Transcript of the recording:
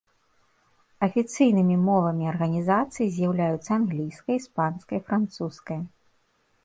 Афіцыйнымі мовамі арганізацыі з'яўляюцца англійская, іспанская і французская.